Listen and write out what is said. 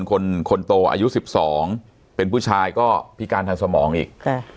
คนคนโตอายุ๑๒เป็นผู้ชายก็พิการทางสมองอีก